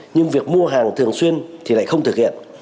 nhưng việc mua hàng thường xuyên thì lại không thực hiện